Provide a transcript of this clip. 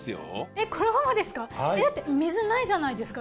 えっこのままですか？